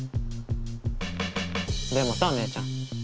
でもさ姉ちゃん。